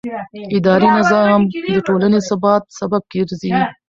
اداري نظام د ټولنې د ثبات سبب ګرځي.